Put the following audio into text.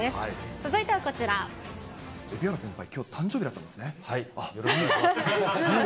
続いてはこちら蛯原先輩、きょう、誕生日だよろしくお願いします。